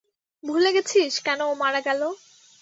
ভুলে গেছিস কেন ও মারা গেল?